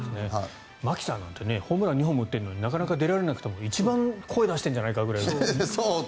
牧さんなんてホームラン２本も打っているのになかなか出られなくても一番声出してるんじゃないかくらい。